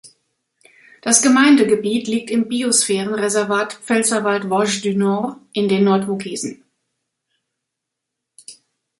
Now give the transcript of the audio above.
Das Gemeindegebiet liegt im Biosphärenreservat Pfälzerwald-Vosges du Nord in den Nordvogesen.